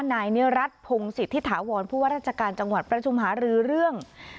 นายเนียรัฐพงศ์สิทธิฐาวรพูดว่าราชการจังหวัดประชุมหารือเรื่อง